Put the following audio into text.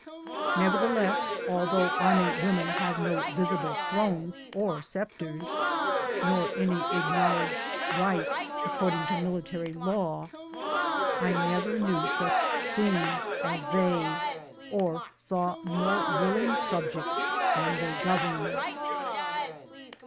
;N"evertheless, though army women have no visible thrones or sceptres, nor any acknowledged rights according to military law, I never knew such queens as they, or saw more willing subjects than they govern.